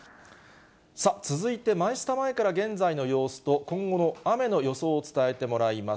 さあ、続いてマイスタ前から現在の様子と、今後の雨の予想を伝えてもらいます。